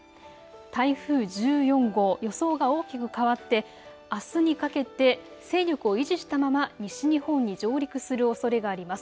台風１４号、予想が大きく変わって、あすにかけて勢力を維持したまま西日本に上陸するおそれがあります。